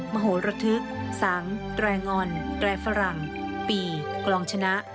มโหระทึกสังแรงอนแรงฝรั่งปีกลองชนะ